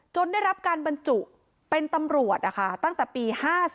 ได้รับการบรรจุเป็นตำรวจตั้งแต่ปี๕๔